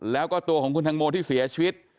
แล้วก็ตัวของคุณตังโมที่เสียชีวิต